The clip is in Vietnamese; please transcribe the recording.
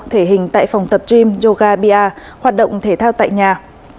thể hình tại phòng tập gym yoga pa hoạt động thể thao tại nhà